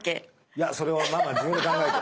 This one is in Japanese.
いやそれはママ自分で考えて。